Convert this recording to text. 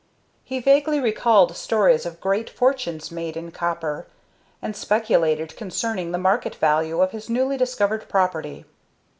He vaguely recalled stories of great fortunes made in copper, and speculated concerning the market value of his newly discovered property.